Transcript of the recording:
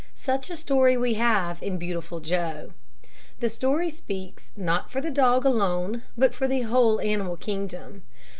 Such a story we have in "Beautiful Joe." The story speaks not for the dog alone, but for the whole animal kingdom.